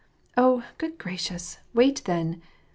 " Oh, good gracious, wait then